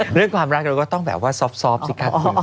เรื่องความรักเราก็ต้องแบบว่าซอบสิครับ